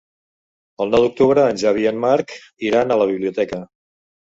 El nou d'octubre en Xavi i en Marc iran a la biblioteca.